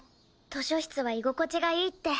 図書室は居心地がいいって。